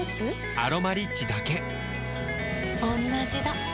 「アロマリッチ」だけおんなじだ